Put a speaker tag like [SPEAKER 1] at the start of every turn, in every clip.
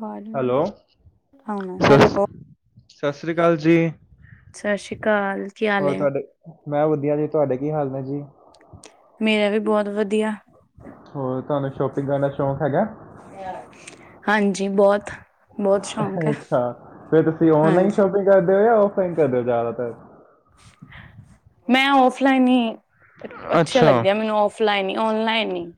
[SPEAKER 1] ਵਾਜ
[SPEAKER 2] ਹੈਲੋ,
[SPEAKER 1] ਆਣਾ
[SPEAKER 2] ਸਸ
[SPEAKER 1] ਹੈਲੋ
[SPEAKER 2] ਸਸ ਸ੍ਰੀ ਕਾਲ ਜੀ,
[SPEAKER 1] ਸਤਿ ਸ਼੍ਰੀ ਅਕਾਲ ਕੀ ਹਾਲ
[SPEAKER 2] ਹੋਰ
[SPEAKER 1] ਹੈ
[SPEAKER 2] ਤੁਆਡੇ ਮੈਂ ਵਧੀਆ ਜੀ, ਤੁਐਡੇ ਕੀ ਹਾਲ ਨੇ ਜੀ?
[SPEAKER 1] ਮੇਰਾ ਵੀ ਬੌਤ ਵਧੀਆ।
[SPEAKER 2] [inaudible] ਹੋਰ, ਤੁਹਾਨੂੰ ਸ਼ੋਪਿੰਗ ਕਰਨ ਦਾ ਸ਼ੌਕ ਹੈਗੈ?
[SPEAKER 1] ਹਾਂਜੀ ਬਹੁਤ ਬਹੁਤ ਸ਼ੌਕ ਹੈ
[SPEAKER 2] ਅੱਛਾ, ਫੇਰ ਤੁਸੀਂ ਔਨਲਾਈਨ
[SPEAKER 1] ਹਾਂਜੀ
[SPEAKER 2] ਸ਼ੋਪਿੰਗ ਕਰਦੇ ਔ ਯਾ ਔਫਲਾਈਨ ਕਰਦੇ ਔ ਜਾਦਾਤਰ?
[SPEAKER 1] ਮੈਂ ਔਫਲਾਈਨ ਹੀ, ਅ ਅੱਛਾ ਲੱਗਦੀ ਆ ਮੈਨੂੰ ਔਫ ਫਲਾਈਨੀ ਔਨਲਾਈਨ ਨੀ।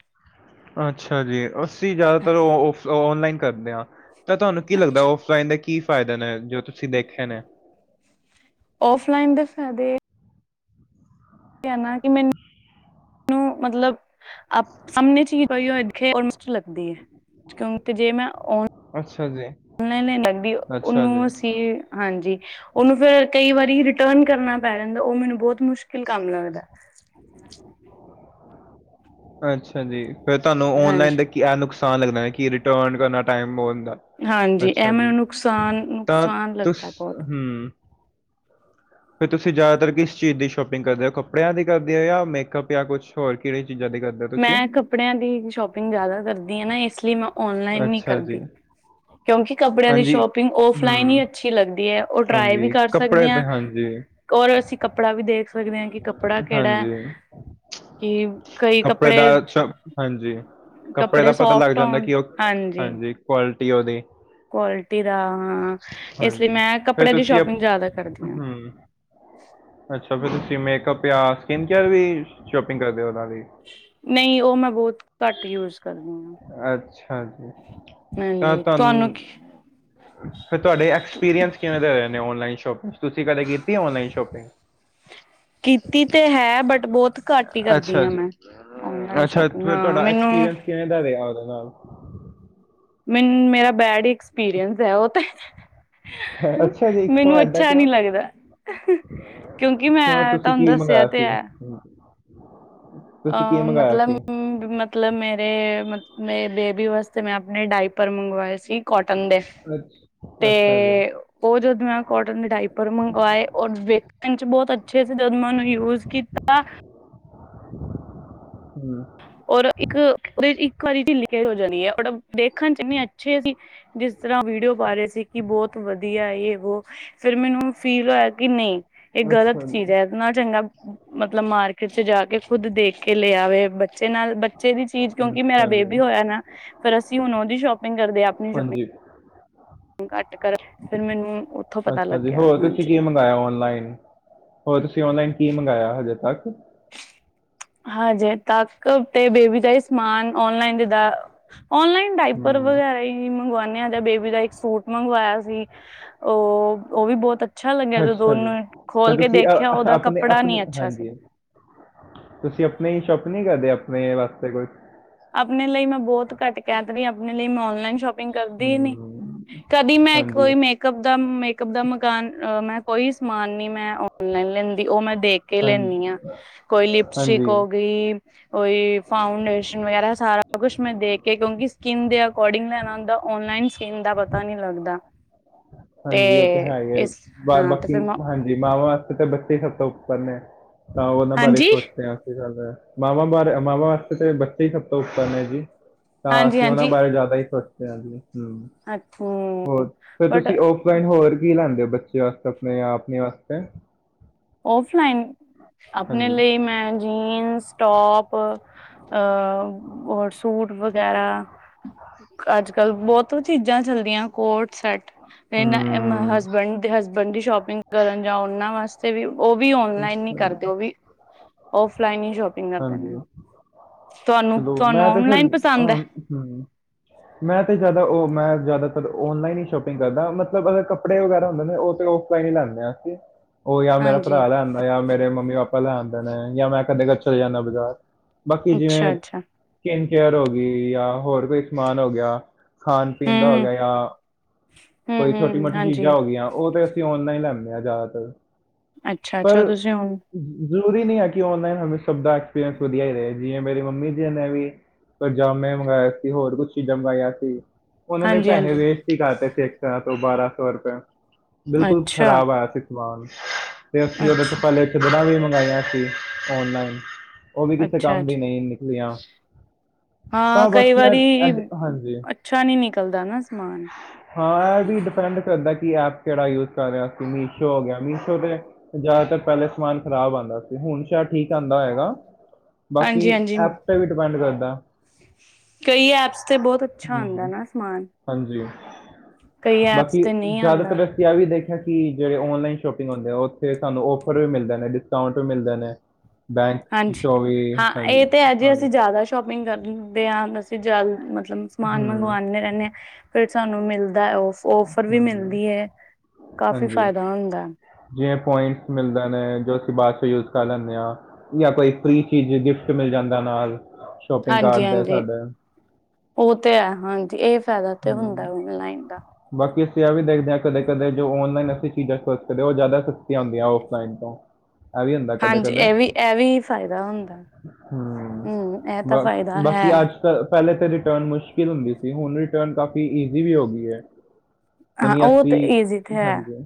[SPEAKER 2] ਅੱਛਾ ਜੀ ਅਸੀਂ ਜ਼ਿਆਦਾਤਰ ਔ ਔਫ ਔਨਲਾਈਨ ਕਰਨੇ ਆ ਤਾਂ ਤੁਹਾਨੂੰ ਕੀ ਲੱਗਦਾ
[SPEAKER 1] ਅੱਛਾ
[SPEAKER 2] ਔ ਫਲਾਈਨ ਦੇ ਕੀ ਫ਼ਾਇਦੇ ਨੇ, ਜੋ ਤੁਸੀਂ ਦੇਖੇ ਨੇ?
[SPEAKER 1] ਔਫਲਾਈਨ ਦੇ ਫੈਦੇ ਕਹਿਣਾ ਕਿ ਮੈ ਨੂੰ ਮਤਲਬ, ਆਪ ਸਾਹਮਣੇ ਚੀਜ਼ ਪਈ ਹੋਏ ਦਿਖੇ [unintelligible] ਲੱਗਦੀ ਏ। ਕਿਉਂਕਿ ਜੇ ਮੈਂ ਓਨ
[SPEAKER 2] ਅੱਛਾ ਜੀ।
[SPEAKER 1] [unintelligible] ਲੱਗਦੀ
[SPEAKER 2] ਅੱਛਾ
[SPEAKER 1] ਉਹਨੂੰ
[SPEAKER 2] ਜੀ।
[SPEAKER 1] ਉਹ ਸੀ ਹਾਂਜੀ, ਉਹਨੂੰ ਫਿਰ ਕਈ ਵਾਰੀ ਰਿਟਰਨ ਕਰਨਾ ਪੈ ਜਾਂਦਾ ਓ ਮੈਂਨੂੰ ਬਹੁਤ ਮੁਸ਼ਕਿਲ ਕੰਮ ਲੱਗਦਾ।
[SPEAKER 2] ਅੱਛਾ ਜੀ ਫਿਰ ਤੁਹਾਨੂੰ ਔਨਲਾਈਨ
[SPEAKER 1] ਹਾਂਜੀ
[SPEAKER 2] ਦੇ ਕੀ ਐ ਨੁਕਸਾਨ ਲੱਗਦਾ ਕਿ ਰਿਟਰਨ ਕਰਨਾ ਟਾਈਮ ਪੈ [unintelligible] ਦਾ।
[SPEAKER 1] ਹਾਂਜੀ ਇਹ
[SPEAKER 2] ਅੱਛਾ
[SPEAKER 1] ਮੈਨੂੰ
[SPEAKER 2] ਜੀ
[SPEAKER 1] ਨੁਕਸਾਨ
[SPEAKER 2] ਤਾਂ
[SPEAKER 1] ਨੁਕਸਾਨ
[SPEAKER 2] ਤੁੱਸ,
[SPEAKER 1] ਲੱਗਦਾ ਬਹੁਤ
[SPEAKER 2] ਹਮ। ਫਿਰ ਤੁਸੀਂ ਜ਼ਿਆਦਾਤਰ ਕਿਸ ਚੀਜ਼ ਦੀ ਸ਼ੋਪਿੰਗ ਕਰਦੇ ਹੋ ਕੱਪੜਿਆਂ ਦੀ ਕਰਦੇ ਹੋ, ਜਾਂ ਮੇਕਅਪ, ਜਾਂ ਕੁਛ ਹੋਰ ਕਿਹੜੀਆਂ ਚੀਜ਼ਾਂ ਦੀ ਕਰਦੇ ਹੋ ਤੁਸੀਂ
[SPEAKER 1] ਮੈਂ ਕੱਪੜਿਆਂ ਦੀ ਸ਼ੋਪਿੰਗ ਜਾਦਾ ਕਰਦੀ ਏ ਨਾ ਇਸ ਲਈ ਮੈਂ ਔਨਲਾਈਨ ਨੀ
[SPEAKER 2] ਅੱਛਾ ਜੀ
[SPEAKER 1] ਕਰਦੀ। ਕਿਉਂਕਿ ਕੱਪੜਿਆਂ ਦੀ
[SPEAKER 2] ਹਾਂਜੀ
[SPEAKER 1] ਸ਼ੋਪਿੰਗ ਔਫਲਾਈਨ
[SPEAKER 2] ਹੂੰ
[SPEAKER 1] ਹੀ ਅੱਛੀ ਲੱਗਦੀ ਏ ਔਰ ਟਰਾਈ ਵੀ ਕਰ ਸਕਦੇ ਆ।
[SPEAKER 2] ਜੀ।
[SPEAKER 1] ਔਰ ਅਸੀਂ ਕੱਪੜਾ ਵੀ ਦੇਖ ਸਕਦੇ ਆਂ ਕਿ ਕੱਪੜਾ ਕਿਹੜਾ।
[SPEAKER 2] ਹਾਂਜੀ
[SPEAKER 1] ਕੇਵ ਕਈ ਕੱਪ
[SPEAKER 2] ਤੁਹਾਡਾ [unintelligible] ਹਾਂਜੀ ਕੱਪੜੇ ਦਾ ਪਤਾ ਲੱਗ ਜਾਂਦਾ ਕਿ ਓ ਹਾਂਜੀ। ਕੁਆਲਿਟੀ ਉਹਦੀ
[SPEAKER 1] ਕੁਆਲਿਟੀ ਦਾ ਹੂੰ, ਇਸ ਲਈ
[SPEAKER 2] ਹਾਂਜੀ
[SPEAKER 1] ਮੈਂ
[SPEAKER 2] ਫਿਰ
[SPEAKER 1] ਕੱਪੜੇ ਦੀ
[SPEAKER 2] ਤੁਸੀਂ ਅਪ
[SPEAKER 1] ਸ਼ੋਪਿੰਗ ਜ਼ਿਆਦਾ ਕਰਦੀ ਆਂ।
[SPEAKER 2] ਹੂੰ ਅੱਛਾ, ਫਿਰ ਤੁਸੀਂ ਮੇਕਅਪ ਜਾਂ ਸਕਿੰਨ ਕੇਅਰ ਵੀ ਸ਼ੋਪਿੰਗ ਕਰਦੇ ਹੋ ਉਹਨਾਂ ਦੀ?
[SPEAKER 1] ਨਹੀਂ, ਓ ਮੈਂ ਬਹੁਤ ਘੱਟ ਯੂਜ ਕਰਦੀ ਆਂ।
[SPEAKER 2] ਅੱਛਾ ਜੀ। ਤਾਂ
[SPEAKER 1] ਤੁਹਾਨੂੰ
[SPEAKER 2] ਤਾਨੂੰ ਫਿਰ ਤੁਹਾਡੇ ਐਕਸਪੀਰੀਅੰਸ ਕਿਵੇਂ ਦੇ ਹੋਏ ਨੇ, ਔਨਲਾਈਨ ਸ਼ੋਪਿੰਗ? ਤੁਸੀਂ ਕਦੇ ਕੀਤੀ ਔਨਲਾਈਨ ਸ਼ੋਪਿੰਗ? [inaudible]
[SPEAKER 1] ਕੀਤੀ ਤੇ ਹੈ। ਬਟ, ਬਹੁਤ ਘੱਟ ਹੀ ਕਰਦੀ
[SPEAKER 2] ਅੱਛਾ
[SPEAKER 1] ਆਂ
[SPEAKER 2] ਜੀ
[SPEAKER 1] ਮੈਂ। ਔਨਲਾਈਨ
[SPEAKER 2] ਅੱਛਾ
[SPEAKER 1] ਸ਼ੋਪਿੰਗ
[SPEAKER 2] ਫਿਰ
[SPEAKER 1] ਹਾਂ,
[SPEAKER 2] ਤੁਹਾਡਾ
[SPEAKER 1] ਮੈਨੂੰ ਏ
[SPEAKER 2] ਐਕਸਪੀਰੀਅੰਸ ਕਿਵੇਂ ਦਾ ਰਿਹਾ ਉਹਦੇ ਨਾਲ?
[SPEAKER 1] ਮੈਨ, ਮੇਰਾ ਬੈਡ ਇਕਸਪੀਰੀਅੰਸ ਐ ਉਹ ਤੇ। ਹੂੰ,
[SPEAKER 2] ਅੱਛਾ ਜੀ ਕਿਉਂ
[SPEAKER 1] ਨੀਓ
[SPEAKER 2] ਐਦਾਂ
[SPEAKER 1] ਅੱਛਾ
[SPEAKER 2] ਕਿਉਂ
[SPEAKER 1] ਨੀ ਲੱਗਦਾ। ਕਿਉਂਕਿ
[SPEAKER 2] ਕਿਉਂ
[SPEAKER 1] ਮੈਂ
[SPEAKER 2] ਤੁਸੀਂ
[SPEAKER 1] ਤਾਨੂੰ
[SPEAKER 2] ਕੀ
[SPEAKER 1] ਦੱਸਿਆ
[SPEAKER 2] ਮੰਗਾਇਆ
[SPEAKER 1] ਤੇ
[SPEAKER 2] ਸੀ
[SPEAKER 1] ਐ।
[SPEAKER 2] ਹਮ,
[SPEAKER 1] ਆ,
[SPEAKER 2] ਤੁਸੀਂ ਕੀ ਮੰਗਾਇਆ ਸੀ
[SPEAKER 1] ਮਤਲਬ-ਮਤ ਮਤਲਬ, ਮੇਰੇ ਮਤ ਮੈਂ ਬੇਬੀ ਵਾਸਤੇ ਮੈਂ ਆਪਣੇ ਡਾਇਪਰ ਮੰਗਵਾਏ ਸੀ, ਕੋਟਨ ਦੇ।
[SPEAKER 2] ਅੱਛ- ਅੱਛਾ ਜੀ
[SPEAKER 1] ਤੇ ਓ ਜੱਦ ਮੈਂ ਕੋਟਨ ਦੇ ਡਾਇਪਰ ਮੰਗਵਾਏ, ਔਰ ਵੇਖਣ 'ਚ ਬਹੁਤ ਅੱਛੇ ਸੀ। ਜੱਦ ਮੈਂ ਉਹਨੂੰ ਯੂਜ਼ ਕੀ ਆ
[SPEAKER 2] ਹੂੰ
[SPEAKER 1] ਔਰ ਇੱਕ ਉਹਦੇ ਇੱਕ ਵਾਰੀ ਲੀਕ ਹੋ ਜਾਂਦੀ ਏ। ਔ, ਵੇਖਣ 'ਚ ਇੰਨੇ ਅੱਛੇ ਸੀ। ਜਿਸ ਤਰ੍ਹਾਂ ਵੀਡੀਓ ਪਾ ਰਹੇ ਸੀ ਕਿ ਬਹੁਤ ਵਧੀਆ, ਏ-ਵੋ। ਫਿਰ ਮੈਂਨੂੰ ਫੀਲ ਹੋਇਆ ਕੀ ਨਹੀਂ, ਇਹ ਗ਼ਲਤ
[SPEAKER 2] ਅੱਛਾ
[SPEAKER 1] ਚੀਜ਼
[SPEAKER 2] ਜੀ
[SPEAKER 1] ਐ। ਇਹਦੇ ਨਾਲ ਚੰਗਾ ਮਤਲਬ ਮਾਰਕੀਟ 'ਚ ਜਾ ਕੇ ਖੁੱਦ ਦੇਖ ਕੇ ਲੈ ਆਵੇ। ਬ ਚ ਬੱਚੇ ਨਾਲ। ਬੱਚੇ ਦੀ ਚੀਜ਼, ਕਿਉਂਕਿ ਮੇਰਾ
[SPEAKER 2] ਅੱਛਾ ਜੀ
[SPEAKER 1] ਬੇਬੀ ਹੋਇਆ ਨਾ, ਫਿਰ ਅਸੀਂ ਹੁਣ ਉਹਦੀ ਸ਼ੋਪਿੰਗ ਕਰਦੇ ਆਂ। ਆਪਣੀ ਸ਼ੋਪਿੰਗ
[SPEAKER 2] ਹਾਂਜੀ
[SPEAKER 1] ਘੱਟ ਕਰ। ਫਿਰ ਮੈਂਨੂੰ
[SPEAKER 2] ਅੱਛਾ ਜੀ। ਹੋਰ ਤੁਸੀਂ ਕੀ ਮੰਗਾਇਆ ਔਨਲਾਈਨ? ਹੋਰ ਤੁਸੀਂ ਔਨਲਾਈਨ ਕੀ ਮੰਗਾਇਆ ਹਜੇ ਤੱਕ?
[SPEAKER 1] ਹਜੇ ਤੱਕ ਤੇ ਬੇਬੀ ਦੇ ਸਮਾਨ ਔਨਲਾਈਨ ਜਿੱਦਾਂ, ਔਨਲਾਈਨ ਡਾਇਪਰ
[SPEAKER 2] ਹਮ,
[SPEAKER 1] ਵਗੈਰਾ ਈ। ਈ ਮੰਗਵਾਣੇ ਆ। ਜਾਂ ਬੇਬੀ ਦਾ ਇੱਕ ਸੂਟ ਮੰਗਵਾਇਆ ਸੀ, ਔ- ਔਵੀ ਬੋਤ ਅੱ ਅੱਛਾ ਲੱਗਿਆ। ਜਦੋਂ
[SPEAKER 2] ਅੱਛਾ ਜੀ
[SPEAKER 1] ਉਹਨੂੰ
[SPEAKER 2] ਤਾਂ
[SPEAKER 1] ਖੋਲ ਕੇ
[SPEAKER 2] ਤੁਸੀਂ
[SPEAKER 1] ਦੇਖਿਆ
[SPEAKER 2] ਅ-
[SPEAKER 1] ਉਹਦਾ
[SPEAKER 2] ਆਪਣੇ
[SPEAKER 1] ਕੱਪੜਾ ਨੀ
[SPEAKER 2] ਆਪਣੀ
[SPEAKER 1] ਅੱਛਾ ਸੀ।
[SPEAKER 2] ਹਾਂਜੀ ਤੁਸੀਂ ਆਪਣੀ ਲਈ ਸੋਪਿੰਗ ਨੀ ਕਰਦੇ, ਆਪਣੇ ਵਾਸਤੇ ਕੋਈ?
[SPEAKER 1] ਆਪਣੇ ਲਈ ਮੈਂ ਬਹੁਤ ਘੱਟ ਕਹਿ ਤ ਰਹੀ ਆਪਣੇ ਲਈ ਮੈਂ ਔਨਲਾਈਨ ਸ਼ੋਪਿ ਪਿੰਗ ਕਰਦੀ ਨੀ,
[SPEAKER 2] ਹਮ,
[SPEAKER 1] ਕਦੀ ਮੈਂ
[SPEAKER 2] ਹਾਂਜੀ
[SPEAKER 1] ਕੋਈ ਮੇ ਕਪ ਦਾ, ਮੇਕਅਪ ਦਾ ਮਕਾਨ, ਅ ਮੈਂ ਕੋਈ ਸਮਾਨ ਨੀ ਮੈਂ ਔ ਓਨਲਾਈਨ ਨੀ ਲੈਂਦੀ, ਓਹ ਮੈਂ ਦੇਖ ਕੇ ਲੈਂਨੀ
[SPEAKER 2] ਹਾਂਜੀ
[SPEAKER 1] ਆਂ ਕੋਈ ਲਿਪਸਟਿਕ
[SPEAKER 2] ਹਾਂਜੀ
[SPEAKER 1] ਹੋ ਗ ਈ ਕੋਈ ਫਾਉੰਡੇਸ਼ ਵਗਰਾ ਸਾਰਾ ਕੁਛ ਮੈਂ ਦੇਖ ਕੇ ਕਿਉਂਕਿ ਸਕਿੰਨ ਦੇ ਅਕੋਰਡਿੰਗ ਲੈਨਾ ਹੁੰਦਾ, ਔਨਲਾਈਨ ਸਕਿੰਨ ਦਾ ਪਤਾ ਨੀ ਲੱਗਦਾ। ਤੇ
[SPEAKER 2] ਹਾਂਜੀ, ਉਹ ਤਾਂ ਹੈ ਹੀ ਹੈ,
[SPEAKER 1] ਇਸ
[SPEAKER 2] ਯਾ
[SPEAKER 1] ਹਾਂ ਤੇ
[SPEAKER 2] ਬਾਕੀ
[SPEAKER 1] ਫਿਰ ਮੈਂ
[SPEAKER 2] ਹਾਂਜੀ! ਜੀ ਮਾਵਾਂ ਵਾਸਤੇ ਤਾਂ ਬੱਚੇ ਸਭ ਤੋਂ ਉੱਪਰ ਨੇ, ਤਾਂ ਉਹਨਾਂ ਬਾਰੇ
[SPEAKER 1] ਹਾਂਜੀ
[SPEAKER 2] ਸੋਚਦੇ ਹਾਂ। ਸਹੀ ਗੱਲ ਹੈ। ਮਾਵਾਂ ਬਾਰੇ, ਮਾਵਾਂ ਵਾਸਤੇ ਤੇ ਬੱਚੇ ਈ ਸਭ ਤੋਂ ਉੱਪਰ ਨੇ ਜੀ। ਤਾਂ
[SPEAKER 1] ਹਾਂਜੀ
[SPEAKER 2] ਅਸੀਂ ਉਹਨਾਂ
[SPEAKER 1] ਹਾਂਜੀ
[SPEAKER 2] ਬਾਰੇ ਜ਼ਿਆਦਾ ਹੀ ਸੋਚਦੇ ਹਾਂ ਜੀ, ਹੂੰ
[SPEAKER 1] ਅੱ
[SPEAKER 2] ਹੋਰ, ਫਿਰ ਤੁਸੀਂ ਔਫਲਾਈਨ ਹੋਰ ਕੀ ਲੈਂਦੇ ਓ ਬੱਚੇ ਵਾਸਤੇ, ਆਪਣੇ-ਆਪਨੇ ਵਾਸਤੇ?
[SPEAKER 1] ਔਫਲਾਈਨ? ਆਪਣੇ
[SPEAKER 2] ਹਾਂਜੀ
[SPEAKER 1] ਲਈ ਮੈਂ ਜੀੰਸ, ਟੋਪ ਅ ਓਰ ਸੂਟ ਵਗੈਰਾ ਅੱਜ ਕੱਲ ਬਹੁਤ ਚੀਜ਼ਾਂ ਚੱਲਦੀਆਂ ਕੋਡ-ਸੈਟ ਇੰਨਾਂ- ਇੰਨਾ
[SPEAKER 2] ਹਮ
[SPEAKER 1] ਹਸਬੈਂਡ ਦੇ ਹਸਬੈਂਡ ਦੀ ਸ਼ੋਪਿੰਗ ਕਰਨ ਜਾਂ ਓਹਨਾਂ ਵਾਸਤੇ ਉਹ ਵੀ ਓਨਲਾਈਨ ਨੀ ਕਰਦੇ ਓਵੀ, ਓਫਲਾਈਨ ਹੀ ਸ਼ੋਪਿੰਗ ਕਰਦੇ
[SPEAKER 2] ਹਾਂਜੀ
[SPEAKER 1] ਨੇ। ਤੁਹਾਨੂੰ
[SPEAKER 2] ਚਲੋ
[SPEAKER 1] ਤੁਹਾਨੂੰ
[SPEAKER 2] ਮੈਂ ਤੇ ਫੇਰ,
[SPEAKER 1] ਔਨਲਾਈਨ
[SPEAKER 2] ਅ
[SPEAKER 1] ਪਸੰਦ ਹੈ
[SPEAKER 2] ਹੂੰ ਮੈਂ ਤੇ ਜਿਆਦਾ ਓਹ ਮੈਂ ਜਿਆਦਾਤਰ ਔਨਲਾਈਨ ਹੀ ਸ਼ੋਪਿੰਗ ਕਰਦਾ, ਮਤਲਬ ਅਗਰ ਕੱਪੜੇ ਵਗੈਰਾ ਹੁੰਦੇ ਨੇ ਓਹ ਚਲੋ ਓਹ ਕੋਈ ਨੀ ਲੈਂਦੇ ਅਸੀਂ। ਓਹ ਯਾਂ ਮੇਰਾ
[SPEAKER 1] ਹਾਂਜੀ
[SPEAKER 2] ਭਰਾ ਲੈ ਆਂਦਾ ਜਾਂ ਮੇਰੇ ਮੰਮੀ ਪਾਪਾ ਲੈ ਆਂਦੇ ਨੇ, ਯਾਂ ਮੈਂ ਕਦੇ- ਕਦੇ ਚਲੇ ਜਾਂਨਾ ਬਾਜਾਰ। ਬਾਕੀ
[SPEAKER 1] ਅੱਛਾ
[SPEAKER 2] ਜਿਵੇਂ
[SPEAKER 1] ਅੱਛਾ
[SPEAKER 2] ਸਕਿੱਨ ਕੇਅਰ ਹੋ ਗਈ ਯਾਂ ਹੋਰ ਕੋਈ ਸਮਾਨ ਹੋ ਗਿਆ, ਖਾਣ ਪੀਣ ਦਾ
[SPEAKER 1] ਹਮ
[SPEAKER 2] ਹੋ ਗਿਆ ਯਾਂ
[SPEAKER 1] ਹਮ ਹਮ
[SPEAKER 2] ਕੋਈ ਛੋਟੀ
[SPEAKER 1] ਹਮ
[SPEAKER 2] ਮੋਟੀ
[SPEAKER 1] ਹਾਂਜੀ
[SPEAKER 2] ਚੀਜਾਂ ਹੋ ਗਈਆਂ, ਓਹ ਤੇ ਅਸੀਂ ਔਨਲਾਈਨ ਲੈਂਦੇ ਆ ਜਿਆਦਾਤਰ।
[SPEAKER 1] ਅੱਛਾ-ਅੱਛਾ, ਤੁਸੀਂ ਹੁਣ
[SPEAKER 2] ਜ਼ਰੂਰੀ ਨੀ ਹੈ ਕਿ ਔਨਲਾਈਨ ਹਮੇਸ਼ਾ ਸਭ ਦਾ ਐਕਸਪੀਰੀਅੰਸ ਵਧੀਆ ਹੀ ਰਹੇ ਜਿਵੇ ਮੇਰੀ ਮੰਮੀ ਜਿਵੇ ਮੇਂ ਵੀ ਪਜਾਮੇ ਮੰਗਵਾਆ ਸੀ, ਹੋਰ ਕੁਛ ਚੀਜ਼ਾਂ ਮੰਗਾਇਂਆ ਸੀ। ਉਹਨਾਂ ਨੇ
[SPEAKER 1] ਹਾਂਜੀ
[SPEAKER 2] ਪੈਹੇ
[SPEAKER 1] ਹਾਂਜੀ
[SPEAKER 2] ਵੇਸਟ ਹੀ ਕਰਤੇ ਸੀ ਇੱਕ ਸਾਰਾਂ ਸੌ ਬਾਰਾਂ ਸੌ ਰੁਪਏ। ਬਿਲਕੁਲ
[SPEAKER 1] ਅੱਛਾ
[SPEAKER 2] ਖ਼ਰਾਬ ਆਇਆ ਸੀ ਸਮਾਨ ਤੇ ਅਸੀਂ ਓਹਦੇ ਤੋਂ
[SPEAKER 1] ਅੱਛਾ
[SPEAKER 2] ਪਹਿਲੇ ਚੰਦਰਾ ਵੀ ਮੰਗਾਈਆਂ ਸੀ ਔਨਲਾਈਨ। ਉਹ ਵੀ
[SPEAKER 1] ਅੱਛਾ
[SPEAKER 2] ਕਿਸੇ ਕੰਮ
[SPEAKER 1] ਅੱਛਾ
[SPEAKER 2] ਦੀ ਨੀ ਨਿਕਲੀਆਂ,
[SPEAKER 1] ਹਾਂ
[SPEAKER 2] ਤਾਂ
[SPEAKER 1] ਕਈ
[SPEAKER 2] ਬਾਕੀਆਂ
[SPEAKER 1] ਵਾਰੀ
[SPEAKER 2] ਐਡ ਹਾਂਜੀ।
[SPEAKER 1] ਅੱਛਾ ਨੀ ਨਿਕਲਦਾ ਨਾ ਸਮਾਨ?
[SPEAKER 2] ਹਾਂ ਇਹ ਵੀ ਡਿਪੈਂਡ ਕਰਦਾ ਕਿ ਐਪ ਕਿਹੜਾ ਯੂਜ ਕਰ ਰਿਹੇ ਅਸੀਂ ਮੀਸ਼ੋ ਹੋ ਗਿਆ, ਮੀਸ਼ੋ ਤੇ ਜ਼ਿਆਦਾਤਰ ਪਹਿਲੇ ਸਮਾਨ ਖ਼ਰਾਬ ਆਦਾ ਸੀ, ਹੁਣ ਸ਼ਾਇਦ ਠੀਕ ਆਦਾ ਹੈਗਾ। ਬਾਕੀ
[SPEAKER 1] ਹਾਂਜੀ ਹਾਂਜੀ
[SPEAKER 2] ਐਪ ਤੇ ਵੀ ਡਿਪੈਂਡ ਕਰਦਾ।
[SPEAKER 1] ਕਈ ਐਪਸ ਤੇ ਬਹੁਤ ਅੱਛਾ ਆਂਦਾ ਆ
[SPEAKER 2] ਹੂੰ
[SPEAKER 1] ਨਾ ਸਮਾਨ।
[SPEAKER 2] ਹਾਂਜੀ
[SPEAKER 1] ਕਈ ਐਪਸ ਤੇ ਨੀ ਆਂਦਾ।
[SPEAKER 2] ਤੇ ਇਹ ਵੀ ਦੇਖਿਆ ਕੀ ਜਿਹੜੇ ਔਨਲਾਈਨ ਸ਼ੋਪਿੰਗ ਹੁੰਦੇ ਆ, ਉੱਥੇ ਸਾਨੂੰ ਔਫਰ ਵੀ ਮਿਲਦੇ ਨੇ, ਡਿਸਕਾਊਂਟ ਵੀ ਮਿਲਦੇ ਨੇ ਬੈਂਕ
[SPEAKER 1] ਹਾਂਜੀ।
[SPEAKER 2] ਚੋਂ ਵੀ
[SPEAKER 1] ਹਾਂ ਇਹ ਤੇ ਹੈ ਜੇ
[SPEAKER 2] ਹਾਂਜੀ-ਹਾਂਜੀ।
[SPEAKER 1] ਅਸੀਂ ਜ਼ਿਆਦਾ ਸ਼ੋਪਿੰਗ ਕਰਦੇ ਹਾਂ ਅਸੀਂ ਜਲ, ਮਤਲਬ ਸਮਾਨ
[SPEAKER 2] ਹੂੰ
[SPEAKER 1] ਮੰਗਵਾਂਦੇ ਰਹਿੰਨੇ ਆਂ। ਫਿਰ ਸਾਨੂੰ ਮਿਲਦਾ ਔਫ-ਔਫਰ ਵੀ
[SPEAKER 2] ਹੂੰ
[SPEAKER 1] ਮਿਲਦੀ ਏ, ਕਾਫੀ ਫਾਇਦਾ ਹੁੰਦਾ।
[SPEAKER 2] ਜਵੇ ਪੁਆਇੰਟਸ ਮਿਲਦੇ ਨੇ, ਜੋ ਅਸੀਂ ਬਾਅਚੋ ਯੂਜ਼ ਕਰ ਲੈਂਦੇ ਹਾਂ। ਜਾਂ ਕੋਈ ਫ੍ਰੀ ਚੀਜ਼, ਗਿਫਟ ਮਿਲ ਜਾਂਦਾ ਨਾਲ। ਸ਼ਾਪਿੰਗ ਕਾਰਡ ਦਾ
[SPEAKER 1] ਹਾਂਜੀ-ਹਾਂਜੀ,
[SPEAKER 2] ਸਾਡੇ
[SPEAKER 1] ਓ ਤੇ ਹੈ ਹਾਂਜੀ, ਇਹ ਫਾਇਦਾ ਤੇ
[SPEAKER 2] ਹੂੰ
[SPEAKER 1] ਹੁੰਦਾ ਓਨਲਾਈਨ ਦਾ।
[SPEAKER 2] ਬਾਕੀ ਅਸੀਂ ਇਹ ਵੀ ਦੇਖਦੇ ਹਾਂ ਕਦੇ- ਕਦੇ ਜੋ ਔਨਲਾਈਨ ਅਸੀਂ ਚੀਜ਼ਾਂ ਸੋਚ ਦੇ ਉਹ ਜ਼ਿਆਦਾ ਸਸਤੀਆਂ ਹੁੰਦੀਆਂ ਔਫਲਾਈਨ ਤੋਂ। ਇਹ ਵੀ ਹੁੰਦਾ ਕਦੇ
[SPEAKER 1] ਹਾਂਜੀ,
[SPEAKER 2] ਕਦੇ
[SPEAKER 1] ਇਹ ਵੀ-ਇਹ ਵੀ, ਫਾਇਦਾ ਹੁੰਦਾ।
[SPEAKER 2] ਹੂੰ,
[SPEAKER 1] ਹਮ ਇਹ ਤਾਂ
[SPEAKER 2] ਬ
[SPEAKER 1] ਫਾਇਦਾ
[SPEAKER 2] -ਬਾਕੀ
[SPEAKER 1] ਹੈ।
[SPEAKER 2] ਆਜ ਪਹਿਲੇ ਤੇ ਰਿਟਰਨ ਮੁਸ਼ਕਿਲ ਹੁੰਦੀ ਸੀ, ਹੁਣ ਰਿਟਰਨ ਕਾਫੀ ਈਜ਼ੀ ਵੀ ਹੋ ਗਈ ਐ।
[SPEAKER 1] ਹਾਂ
[SPEAKER 2] ਹੁਣ
[SPEAKER 1] ਉਹ
[SPEAKER 2] ਅਸੀਂ,
[SPEAKER 1] ਤੇ ਈਜ਼ੀ ਤੇ ਹੈ
[SPEAKER 2] ਹਾਂਜੀ,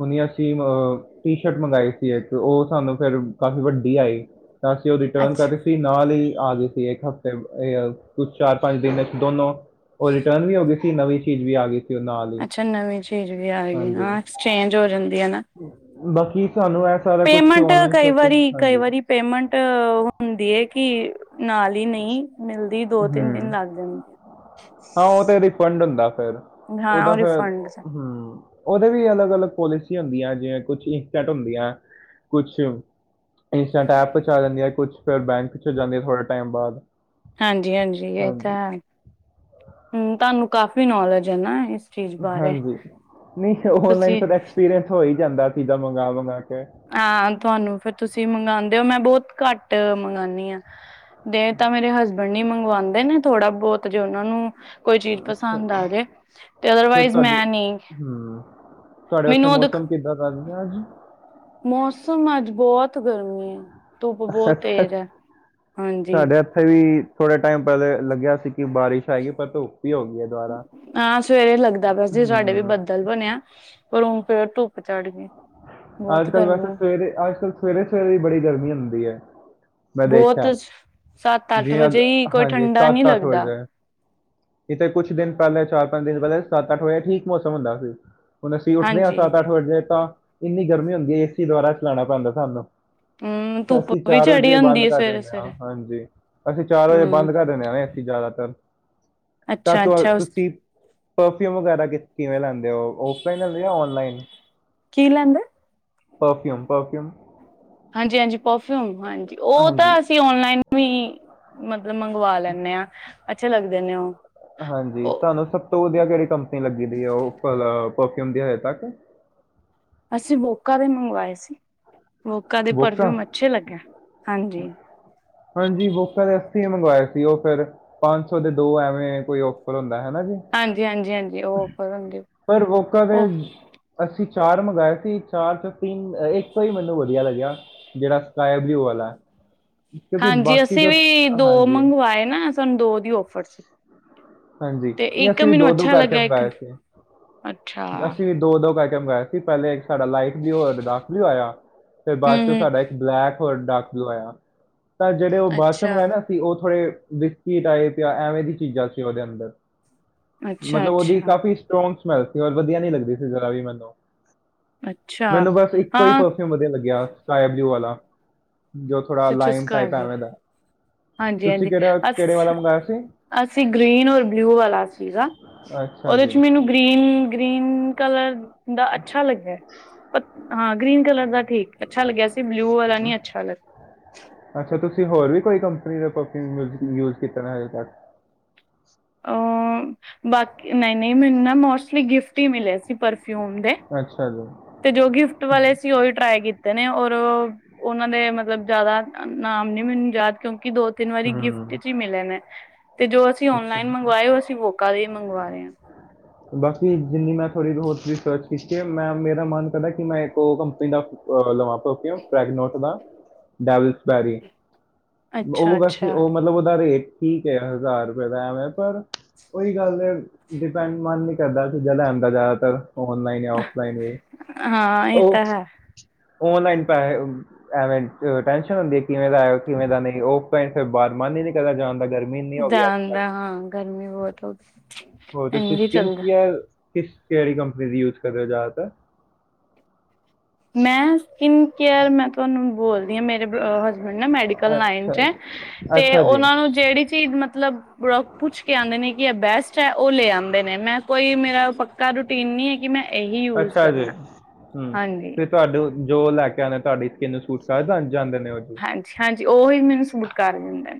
[SPEAKER 2] ਹੁਣ ਅਸੀਂ ਅ ਟੀ ਸ਼ਰਟ ਮੰਗਈ ਸੀ ਇੱਕ ਉਹ ਸਾਨੂੰ ਫਿਰ ਕਾਫੀ ਵੱਡੀ ਆਈ, ਤਾਂ ਅਸੀਂ ਉਹ ਰਿਟਰਨ
[SPEAKER 1] ਅੱਛਾ।
[SPEAKER 2] ਕਰ ਤੇ ਨਾਲ ਹੀ ਆ ਗਈ ਸੀ ਇੱਕ ਹਫ਼ਤੇ ਏ, ਕੁਛ ਚਾਰ -ਪੰਜ ਦਿਨ ਵਿੱਚ ਦੋਨੋ ਉ ਰਿਟਰਨ ਵੀ ਹੋ ਗਈ ਸੀ ਨਵੀਂ ਚੀਜ਼ ਵੀ ਆ ਗੀ
[SPEAKER 1] ਅੱਛਾ ਨਵੀਂ ਚੀਜ਼ ਵੀ ਆ ਗਈ,
[SPEAKER 2] ਹਾਂਜੀ
[SPEAKER 1] ਹਾ ਐਕਸਚੇਂਜ ਹੋ ਜਾਂਦੀ ਏ ਨਾ
[SPEAKER 2] ਬਾਕੀ ਸਾਨੂੰ ਏ ਸਾਰਾ ਕੁਛ ਔਨਲਾਈਨ ਸ਼ੋਪਿੰਗ, ਹਾਂਜੀ।
[SPEAKER 1] ਪੇਮਂਟ ਹੁੰਦੀ ਐ ਕੀ ਨਾਲ ਈ ਨਈ ਮਿਲਦੀ ਦੋ- ਤਿੰਨ
[SPEAKER 2] ਹੂੰ
[SPEAKER 1] ਦਿਨ ਲੱਗ ਜਾਂਦੇ ਆ।
[SPEAKER 2] ਹਾਂ ਉ ਤੇ ਰਿਫੰਡ ਹੁੰਦਾ ਫੇਰ,
[SPEAKER 1] ਹਾਂ
[SPEAKER 2] ਉਦਾ
[SPEAKER 1] ਉਹ
[SPEAKER 2] ਫਿਰ
[SPEAKER 1] ਰਿਫੰਡ
[SPEAKER 2] ਹੂੰ ਉਦੇ ਵੀ ਅਲੱਗ-ਅਲੱਗ ਪੋਲਿਸੀ ਹੁੰਦੀਆਂ ਜਿਵੇਂ ਕੁਛ ਸੇਟ ਹੁੰਦੀਆਂ ਕੁਛ ਇੰਸਟੈਂਟ ਐਪ 'ਚ ਆ ਜਾਂਦੀ ਆਂ, ਕੁਛ ਫੇਰ ਬੈਂਕ 'ਚ ਜਾਂਦੀ, ਥੋੜ੍ਹੇ ਟਾਈਮ ਬਾਦ
[SPEAKER 1] ਹਾਂਜੀ-ਹਾਂਜੀ, ਏ ਤੇ ਹੈ, ਹੂੰ ਤਾਨੂੰ ਕਾਫੀ ਨੌਲੇਜ ਏ, ਨਾ ਇਸ ਚੀਜ਼ ਬਾਰੇ
[SPEAKER 2] ਹਾਂਜੀ, ਨਹੀਂ ਓਨਲਾਈਨ
[SPEAKER 1] ਤੁਸੀਂ
[SPEAKER 2] ਐਕਸਪੀਰੀਅੰਸ ਹੋ ਈ ਜਾਂਦਾ ਪੀਜ਼ਾ, ਮੰਗਾ-ਮੰਗਾ ਕੇ
[SPEAKER 1] ਆ, ਤੁਆਨੂੰ ਫੇਰ ਤੁਸੀਂ ਮੰਗਾਉਂਦੇ ਓ, ਮੈਂ ਬੋਤ ਘੱਟ ਟ ਮੰਗਾਣੀ ਆ, ਦੇ ਤਾਂ ਮੇਰੇ ਹਸਬ ਨੀ ਮੰਗਵਾਂਦੇ ਨੇ, ਥੋੜਾ ਬੋਤ ਜੇ ਓਨਾਂ ਨੂੰ ਕੋਈ ਚੀਜ਼
[SPEAKER 2] ਅੱਛਾ
[SPEAKER 1] ਪਸੰਦ ਆ ਜੇ, ਤੇ ਅਦਰਵਾਈਜ਼ ਮੈਂ ਨੀ
[SPEAKER 2] ਤੁਆਡੇ, ਉੱਥੇ ਮੌਸਮ ਕਿੱਦਾਂ ਦਾ ਸੀ ਅੱਜ?
[SPEAKER 1] ਮੌਸਮ, ਅੱਜ ਬੋਤ ਗਰਮੀ ਏ, ਧੁੱਪ ਬੋਤ ਤੇਜ਼ ਐ। ਹਾਂਜੀ
[SPEAKER 2] ਕਈ ਥੋੜੇ ਟੇਮ ਪੇਲੇ ਲੱਗਿਆ ਸੀ, ਕਿ ਬਾਰਿਸ਼ ਆਏਗੀ, ਪਰ ਧੁੱਪ ਈ ਹੋ ਗਈ ਐ।
[SPEAKER 1] ਅ ਸਵੇਰੇ ਲੱਗਦਾ ਪਿਆ ਸੀ, ਸਾਡੇ ਵੀ
[SPEAKER 2] ਹਮ
[SPEAKER 1] ਬੱਦਲ ਬਣਿਆ ਪਰ ਹੁਣ ਫੇਰ, ਧੁੱਪ ਚੜਗੀ।
[SPEAKER 2] ਅੱਜ ਕੱਲ, ਵੈਸੇ ਸਵੇਰੇ, ਅੱਜ ਕੱਲ ਸਵੇਰੇ-ਸਵੇਰੇ ਈ ਬੜੀ ਗਰਮੀ ਹੁੰਦੀ ਐ ਮੈਂ
[SPEAKER 1] ਬਹੁਤ
[SPEAKER 2] ਦੇਖਿਆ,
[SPEAKER 1] ਸੱਤ ਅੱਠ
[SPEAKER 2] ਜੀ ਅ
[SPEAKER 1] ਵਜੇ ਹੀ ਕੋਈ
[SPEAKER 2] ਹਾਂਜੀ
[SPEAKER 1] ਠੰਡਾ ਨਹੀਂ
[SPEAKER 2] ਸੱਤ, ਅੱਠ
[SPEAKER 1] ਲੱਗਦਾ
[SPEAKER 2] ਵਜੇ ਇਥੇ ਕੁਛ ਦਿਨ ਪੈਹਲੇ ਚਾਰ, ਪੰਜ ਦਿਨ ਪੈਹਲੇ, ਸੱਤ, ਅੱਠ ਵਜੇ ਠੀਕ ਮੌਸਮ ਹੁੰਦਾ ਸੀ ਹੁਣ ਅਸੀਂ ਉੱਠਨੇ ਆਂ,
[SPEAKER 1] ਹਾਂਜੀ
[SPEAKER 2] ਸੱਤ, ਅੱਠ ਵਜੇ ਤਾਂ ਏਨੀ ਗਰਮੀ ਹੁੰਦੀ ਏ, ਏਸੀ ਦੁਵਾਰਾ ਚਲਾਣਾ ਪੈਂਦਾ ਸਾਨੂੰ
[SPEAKER 1] ਹਮ ਧੁੱਪ
[SPEAKER 2] ਅਸੀਂ
[SPEAKER 1] ਵੀ
[SPEAKER 2] ਚਾਰ
[SPEAKER 1] ਚੜੀ
[SPEAKER 2] ਵਜੇ
[SPEAKER 1] ਹੁੰਦੀ
[SPEAKER 2] ਬੰਦ
[SPEAKER 1] ਹੈ
[SPEAKER 2] ਕਰ
[SPEAKER 1] ਸਵੇਰੇ
[SPEAKER 2] ਦੇਨੇ ਆਂ,
[SPEAKER 1] ਸਵੇਰੇ
[SPEAKER 2] ਹਾਂਜੀ, ਅਸੀਂ ਚਾਰ ਵਜੇ
[SPEAKER 1] ਹਮ
[SPEAKER 2] ਬੰਦ ਕਰ ਦੇਂਨੇ ਆਂ ਨਾ ਜ਼ਿਆਦਾਤਰ ਤਾਂ
[SPEAKER 1] ਅੱਛਾ
[SPEAKER 2] ਤਵ
[SPEAKER 1] ਅੱਛਾ ਉਸ
[SPEAKER 2] ਤੁਸੀਂ ਪਰਫਿਊਮ ਵਗੈਰਾ ਕਿਵੇਂ ਲੈਂਦੇ ਓ, ਓਫਲਾਈਨ ਲੈਂਦੇ ਓ, ਜਾਂ ਔਨਲਾਈਨ?
[SPEAKER 1] ਕੀ ਲੈਂਦੇ?
[SPEAKER 2] ਪਰਫਿਊਮ-ਪਰਫਿਊਮ
[SPEAKER 1] ਹਾਂਜੀ-ਹਾਂਜੀ, ਪਰਫਿਊਮ ਹਾਂਜੀ, ਓ
[SPEAKER 2] ਹਾਂਜੀ
[SPEAKER 1] ਤਾਂ ਅਸੀਂ ਓਨਲਾਈਨ ਵੀ ਮਤਲਬ ਮੰਗਵਾ ਲੈਂਨੇ ਆਂ, ਅੱਛੇ ਲੱਗਦੇ ਨੇ ਓ
[SPEAKER 2] ਹਾਂਜੀ, ਤੁਆਨੂੰ ਸਭ ਤੋਂ ਵਦੀਆ ਕੇੜੀ ਕੰਪਨੀ ਲੱਗਦੀ ਏ, ਓਹ ਅ ਪਰਫਿਊਮ ਦੀ ਹਜੇ ਤੱਕ?
[SPEAKER 1] ਅਸੀਂ ਵੋਕਾ ਦੇ ਮੰਗਵਾਏ ਸੀ, ਵੋਕਾ ਦੇ ਪਰਫਿਊਮ ਅੱਛੇ ਲੱਗੇ। ਹਾਂਜੀ
[SPEAKER 2] ਹਾਂਜੀ, ਵੋਕਾਂ ਦੇ ਅੱਸੀਂ ਮੰਗਵਾਏ ਸੀ, ਓ ਫੇਰ ਪੰਜ ਸੌ ਦੇ ਦੋ, ਐਵੇਂ ਕੋਈ ਓਪਰ ਹੁੰਦਾ, ਹੈਨਾ ਜੀ
[SPEAKER 1] ਹਾਂਜੀ, ਹਾਂਜੀ, ਹਾਂਜੀ ਓ ਆਫ਼ਰ ਹੁੰਦੇ
[SPEAKER 2] ਪਰ ਵੋਕਾ ਦੇ
[SPEAKER 1] ਉਹ
[SPEAKER 2] ਅਸੀਂ ਚਾਰ ਮੰਗਾਏ ਸੀ। ਚਾਰ ਚ ਤਿੰਨ ਇੱਕੋ ਹੀ, ਮੈਨੂੰ ਵਧੀਆ ਲੱਗ ਆ, ਜੇੜਾ ਸਕਾਏ ਬਲਿਊ ਵਾਲਾ ਕਿਉਂਕਿ
[SPEAKER 1] ਹਾਂਜੀ,
[SPEAKER 2] ਬਾਕੀ
[SPEAKER 1] ਅਸੀਂ
[SPEAKER 2] ਜੋ
[SPEAKER 1] ਵੀ ਦੋ
[SPEAKER 2] ਹਾਂਜੀ
[SPEAKER 1] ਮੰਗਵਾਏ ਨਾ, ਸਾਨੂੰ ਦੋ ਦੀ ਔਫਰ ਸੀ।
[SPEAKER 2] ਹਾਂਜੀ,
[SPEAKER 1] ਤੇ ਇੱਕ
[SPEAKER 2] ਅਸੀਂ ਵੀ
[SPEAKER 1] ਮੈਨੂੰ
[SPEAKER 2] ਦੋ-ਦੋ
[SPEAKER 1] ਅੱਛਾ
[SPEAKER 2] ਕਰਕੇ
[SPEAKER 1] ਲੱਗਿਆ ਇੱਕ
[SPEAKER 2] ਮੰਗਾਏ ਸੀ।
[SPEAKER 1] ਅੱਛਾ
[SPEAKER 2] ਅਸੀਂ ਦੋ-ਦੋ ਕਰਕੇ ਕੇ ਮੰਗਾਏ ਸੀ, ਪੇਲੇ ਇੱਕ ਸਾਡਾ ਲਾਈਟ ਬਲੂ ਹੋਰ ਡਾਰਕ ਬਲੂ ਆਇਆ ਫੇਰ
[SPEAKER 1] ਹੂੰ
[SPEAKER 2] ਬਾਦ ਚੋਂ
[SPEAKER 1] ਹੂੰ
[SPEAKER 2] ਸਾਡਾ ਇੱਕ ਬਲੈਕ ਹੋਰ ਡਾਰਕ ਬਲੂ ਆਯਾ ਏ, ਜੇੜੇ ਓ, ਬਾਅਦ ਚੋਂ
[SPEAKER 1] ਅੱਛਾ।
[SPEAKER 2] ਮੰਗਾਏ ਨਾ ਓ ਥੋੜੇ ਬਿਸਕਿਟ ਆਏ ਪਿਆ, ਐਵੇਂ ਦੀ ਚੀਜ਼ਾਂ ਸੀ ਓਦੇ ਅੰਦਰ
[SPEAKER 1] ਅੱਛਾ
[SPEAKER 2] ਮਤਲਬ ਓਦੀ
[SPEAKER 1] ਅੱਛਾ
[SPEAKER 2] ਕਾਫ਼ੀ ਸਟਰੋਂਗ ਸਮੈਲ ਸੀ। ਔਰ ਵਧੀਆ ਨੀ ਲੱਗਦੀ ਸੀ। ਜ਼ਰਾ ਵੀ ਮੈਨੂੰ
[SPEAKER 1] ਅੱਛਾ
[SPEAKER 2] ਮੈਨੂੰ ਬਸ ਇੱਕੋ ਈ
[SPEAKER 1] ਹਾਂ
[SPEAKER 2] ਪਰਫਿਊਮ ਵਧੀਆ ਲੱਗਿਆ। ਸਕਾਈ ਬਲੂ ਵਾਲਾ ਜੋ ਥੋੜਾ ਲਾਈਮ ਟਾਈਪ ਹੈਵੇ ਦਾ,
[SPEAKER 1] ਹਾਂਜੀ
[SPEAKER 2] ਤੁਸੀਂ
[SPEAKER 1] ਹਾਂਜੀ
[SPEAKER 2] ਕੇੜਾ
[SPEAKER 1] ਅਸ
[SPEAKER 2] ਕੇੜੇ ਵਾਲਾ ਮੰਗਾਇਆ ਸੀ?
[SPEAKER 1] ਅਸੀਂ ਗ੍ਰੀਨ ਔਰ ਬਲਿਊ ਵਾਲਾ ਸੀਗਾ।
[SPEAKER 2] ਅੱਛਾ
[SPEAKER 1] ਉਦੇ
[SPEAKER 2] ਜੀ
[SPEAKER 1] ਚ ਮੈਨੂੰ ਗ੍ਰੀਨ-ਗ੍ਰੀਨ, ਕਲਰ ਦਾ ਅੱਛਾ ਲੱਗੇਆ ਪਤ ਹਾਂ, ਗ੍ਰੀਨ ਕਲਰ ਦਾ ਠੀਕ, ਅੱਛਾ ਲੱਗਿਆ ਸੀ। ਬਲਿਊ ਵਾਲਾ ਨੀ ਅੱਛਾ ਲੱਗ
[SPEAKER 2] ਅੱਛਾ, ਤੁਸੀਂ ਹੋਰ ਵੀ ਕੋਈ ਕੰਪਨੀ ਦੇ ਪਰਫੁਯੂਮ ਯੂਜ-ਯੂਸ ਕੀਤੇ ਨਾ ਹਜੇ ਤਕ?
[SPEAKER 1] ਅ, ਬਾਕੀ ਨਈ-ਨਈ ਮੈਨੂੰ ਨਾ, ਮੋਸਟਲੀ ਗਿਫਟ ਹੀ ਮਿਲੇ ਸੀ, ਪਰਫਿਊਮ ਦੇ।
[SPEAKER 2] ਅੱਛਾ ਜੀ।
[SPEAKER 1] ਤੇ ਜੋ ਗਿਫਟ ਵਾਲੇ ਸੀ ਓ। ਟਰਾਈ ਕੀਤੇ ਨੇ ਔਰ ਓਨਾਂ ਦੇ ਮਤਲਬ ਜਿਆਦਾ ਨਾਮ ਨੀ ਮੈਨੂੰ ਯਾਦ ਕਿਉਂਕਿ ਦੋ ਤਿੰਨ ਵਾਰੀ
[SPEAKER 2] ਹੂੰ
[SPEAKER 1] ਗਿਫਟ ਇੱਚ ਈ ਮਿਲੇ ਨੇ ਤੇ ਜੋ ਅਸੀ ਓਨਲਾਈਨ ਮੰਗਵਾਏ ਓ ਅਸੀਂ ਵੋਕਾ ਦੇ ਈ ਮੰਗਵਾ ਰੇ ਆਂ।
[SPEAKER 2] ਬਾਕੀ ਜਿੰਨੀ ਮੈਂ ਥੋੜੀ ਹੋਰ ਰਿਸਰਚ ਕੀਤੀ ਐ ਮੈਂ ਮੇਰਾ ਮਨ ਕਰਦੈ ਕਿ ਮੈਂ ਏੱਕ ਓ ਕੰਪਨੀ ਦਾ ਅ ਲਵਾਂ [unintelligible] ਨੋਟ ਦਾ ਡੈਵਿਸ ਬੈਰੀ
[SPEAKER 1] ਹਾਂ ਅੱਛਾ
[SPEAKER 2] ਓ ਵੈਸੇ
[SPEAKER 1] ਅੱਛਾ
[SPEAKER 2] ਓ ਮਤਲਬ ਓਦਾ ਰੇਟ ਠੀਕ ਐ, ਹਜਾਰ ਫੇਰ ਐਵੇਂ ਕਰ ਓਈ ਗੱਲ ਐ ਡਿਪੈਂਡ ਮਨ ਨੀ ਕਰਦਾ ਚੀਜਾਂ ਲੈਣ ਦਾ ਜ਼ਿਆਦਾਤਰ ਔਨਲਾਈਨ, ਔਫਲਾਈਨ ਵੀ।
[SPEAKER 1] ਹਾਂ ਇਹ
[SPEAKER 2] ਓ
[SPEAKER 1] ਤਾਂ ਹੈ
[SPEAKER 2] ਔਨਲਾਈਨ ਪੈਹੇ ਐਵੇਂ ਅ ਟੈਂਸ਼ਨ ਹੁੰਦੀ ਏ ਕਿਵੇਂ ਦਾ ਐ ਓ, ਕਿਵੇਂ ਦਾ ਨਹੀਂ। ਓ [unintelligible] ਫੇਰ ਬਾਦ ਮਨ ਹੀ ਨੀ ਕਰਦਾ ਜਾਨ ਦਾ ਗਰਮ ਮੀਂ ਨੀਂ ਹੋ ਗਿਆ
[SPEAKER 1] ਦਾ ਹਾਂ ਗਰਮੀ ਬੋਤ ਹੋ ਗਈ
[SPEAKER 2] ਹੋਰ ਤੁਸੀ
[SPEAKER 1] ਇੰਝ
[SPEAKER 2] ਸਕਿਨ
[SPEAKER 1] ਚੱਲਦਾ
[SPEAKER 2] ਕੇਅਰ ਕਿਸ ਕੇੜੀ ਕੰਪਨੀ ਦੀ ਯੂਜ ਕਰ ਰਏ ਓ ਜਿਆਦਾਤਰ?
[SPEAKER 1] ਮੈਂ ਸਕਿਨ ਕੇਅਰ ਮੈਂ ਤੁਆਨੂੰ ਬੋਲਦੀ ਆਂ ਮੇਰੇ ਬ੍ਰ ਅ ਹਸਬੈਂਡ ਨਾ ਮੈਡੀਕਲ ਲਾਈਨ 'ਚ
[SPEAKER 2] ਅੱਛਾ
[SPEAKER 1] ਐਂ
[SPEAKER 2] ਜੀ
[SPEAKER 1] ਤੇ
[SPEAKER 2] ਅੱਛਾ ਜੀ
[SPEAKER 1] ਓਨਾਂ ਨੂੰ ਕੇੜੀ ਚੀਜ ਮਤਲਬ ਬੜੋ ਪੁੱਛ ਕੇ ਆਂਦੇ ਨੇ ਕਿ ਐ ਬੈਸਟ ਐ ਓ ਲੇ ਆਂਦੇ ਨੇ। ਮੈਂ ਕੋਈ ਮੇਰਾ ਪੱਕਾ ਰੁ ਟੀਨ ਨੀ ਐ ਕਿ ਮੈਂ ਏਹੀ ਯੂਜ ਕਰਨਾ। ਹਾਂਜੀ।
[SPEAKER 2] ਤੁਆਡੂੰ ਜੋ ਲੈ ਕੇ ਆਂਦੇ ਤੁਆਡੀ ਸਕਿੰਨ ਨੂੰ ਸੂਟ ਕਰ ਜਾਂਦ ਜਾਂਦੇ ਨੇ? ਜੀ
[SPEAKER 1] ਹਾਂਜੀ, ਹਾਂਜੀ ਓਹੀ ਮੇਨੂੰ ਸੁਟ ਕਰ ਜਾਂਦੈ।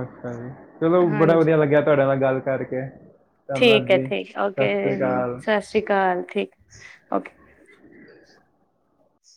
[SPEAKER 2] ਅੱਛਾ ਜੀ। ਚਲੋ ਬੜਾ
[SPEAKER 1] ਹਾਂਜੀ
[SPEAKER 2] ਵਧੀਆ ਲੱਗੇਆ ਤੁਆਡੇ ਨਾਲ ਗੱਲ ਕਰਕੇ। ਧੰਨਵਾਦ
[SPEAKER 1] ਠੀਕ ਐ,
[SPEAKER 2] ਜੀ
[SPEAKER 1] ਠੀਕ। ਓਕੇ
[SPEAKER 2] ਸਤਿ ਸ਼੍ਰੀ
[SPEAKER 1] [unintelligible]
[SPEAKER 2] ਅਕਾਲ
[SPEAKER 1] ਸਸ ਸ੍ਰੀ ਕਾਲ, ਠੀਕ। ਓਕੇ